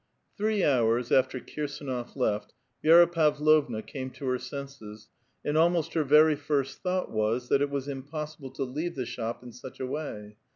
Three hours after Kirsdnof left, Vi6ra Pavlovna came to h^r senses, and almost her very first thought was, tliat it was ^na possible to leave the shop in such a way.